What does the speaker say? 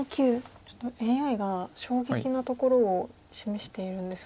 ちょっとＡＩが衝撃なところを示しているんですが。